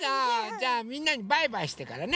じゃみんなにバイバイしてからね。